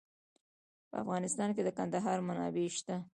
په افغانستان کې د کندهار منابع شته.